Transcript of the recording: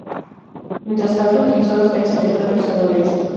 Mientras tanto, utilizó las canchas de Ferro y San Lorenzo.